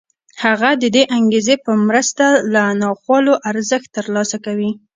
هغه د دې انګېزې په مرسته له ناخوالو ارزښت ترلاسه کوي